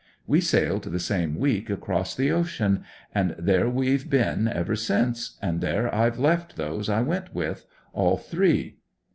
We sailed the same week across the ocean, and there we've been ever since, and there I've left those I went with—all three.